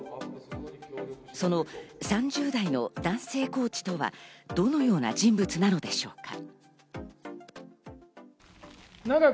その３０代の男性コーチとはどのような人物なのでしょうか。